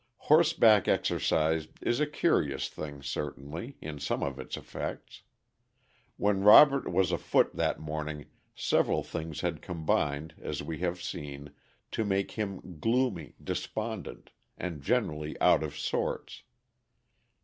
Horseback exercise is a curious thing, certainly, in some of its effects. When Robert was afoot that morning several things had combined, as we have seen, to make him gloomy, despondent, and generally out of sorts.